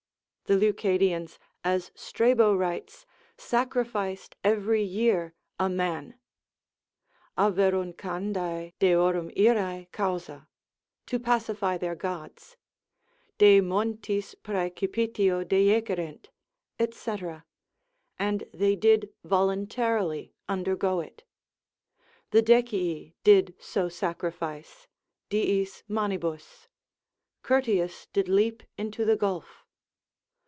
The Leucadians, as Strabo writes, sacrificed every year a man, averruncandae, deorum irae, causa, to pacify their gods, de montis praecipitio dejecerent, &c. and they did voluntarily undergo it. The Decii did so sacrifice, Diis manibus; Curtius did leap into the gulf.